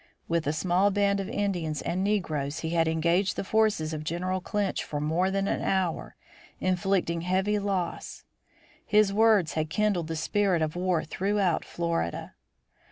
With a small band of Indians and negroes he had engaged the forces of General Clinch for more than an hour, inflicting heavy loss. His words had kindled the spirit of war throughout Florida.